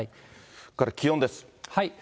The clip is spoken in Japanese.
それから気温です。